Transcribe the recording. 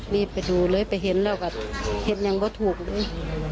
รีบไปดูเลยไปเห็นเรากันเห็นกันอ่ะก็ถูกเลย